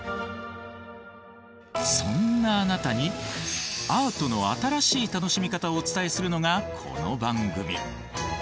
そんなあなたにアートの新しい楽しみ方をお伝えするのがこの番組。